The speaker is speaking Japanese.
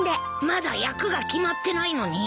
まだ役が決まってないのに？